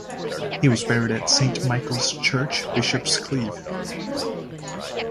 He was buried at Saint Michaels church Bishops Cleeve.